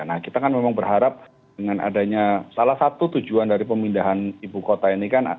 nah kita kan memang berharap dengan adanya salah satu tujuan dari pemindahan ibu kota ini kan